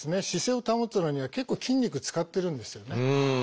姿勢を保つのには結構筋肉使ってるんですよね。